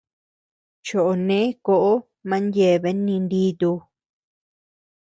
Choʼo nee kóʼo man yeabean ninditu.